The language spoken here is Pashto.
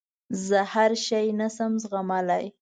زه هر شی نه شم زغملای.